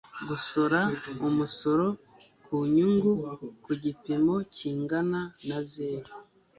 gusora umusoro ku nyungu ku gipimo kingana na zero